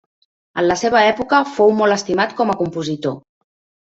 En la seva època fou molt estimat com a compositor.